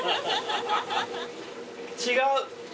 違う。